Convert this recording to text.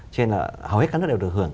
cho nên là hầu hết các nước đều được hưởng